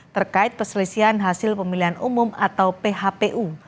terkait perselisihan hasil pemilihan umum atau phpu